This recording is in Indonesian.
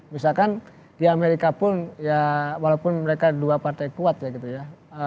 misalkan di amerika pun ya walaupun mereka dua partai kuat ya gitu ya